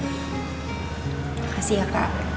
makasih ya kak